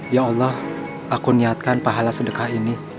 ya allah aku niatkan pahala sedekah ini